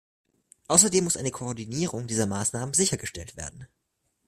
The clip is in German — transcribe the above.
Außerdem muss eine Koordinierung dieser Maßnahmen sichergestellt werden.